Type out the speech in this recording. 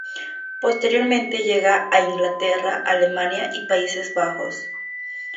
Posteriormente llega a Inglaterra, Alemania y Países Bajos.